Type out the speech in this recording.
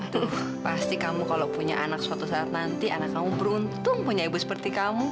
tuh pasti kamu kalau punya anak suatu saat nanti anak kamu beruntung punya ibu seperti kamu